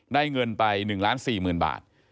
ได้เงินไป๑ล้าน๔๐๐๐๐บาท